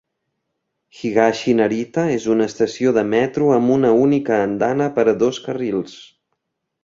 Higashi-Narita és una estació de metro amb una única andana per a dos carrils.